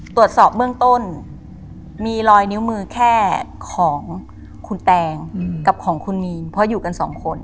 ตรวจสอบเบื้องต้นมีรอยนิ้วมือแค่ของคุณแตงกับของคุณมีนเพราะอยู่กันสองคน